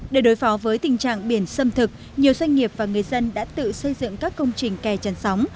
để đối phó với tình trạng biển xâm thực nhiều doanh nghiệp và người dân đã tự xây dựng các công trình kè chăn sóng